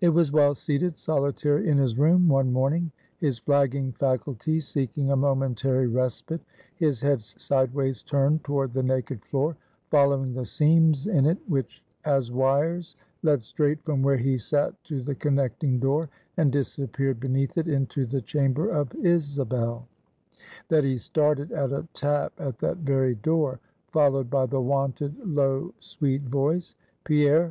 It was while seated solitary in his room one morning; his flagging faculties seeking a momentary respite; his head sideways turned toward the naked floor, following the seams in it, which, as wires, led straight from where he sat to the connecting door, and disappeared beneath it into the chamber of Isabel; that he started at a tap at that very door, followed by the wonted, low, sweet voice, "Pierre!